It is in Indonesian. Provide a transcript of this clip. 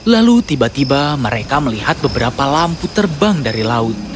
lalu tiba tiba mereka melihat beberapa lampu terbang dari laut